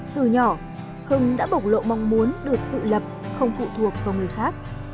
từ nhỏ hưng đã bộc lộ mong muốn được tự lập không phụ thuộc vào người khác